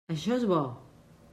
Això és bo.